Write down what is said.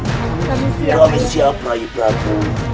kita belum siap lagi prabu